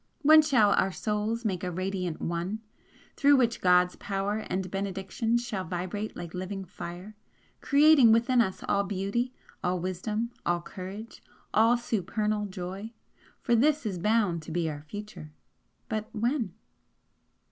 When shall our Souls make a radiant ONE, through which God's power and benediction shall vibrate like living fire, creating within us all beauty, all wisdom, all courage, all supernal joy? For this is bound to be our future but when?"